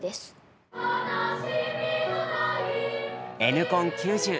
「Ｎコン９０」